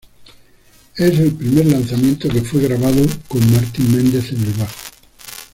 Es el primer lanzamiento que fue grabado con Martin Mendez en el bajo.